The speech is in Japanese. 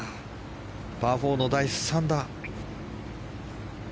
パー４の第３打。